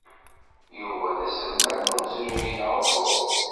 Yuba d aselmad n umezruy neɣ uhu?